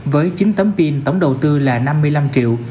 với chín tấm pin tổng đầu tư là năm mươi năm triệu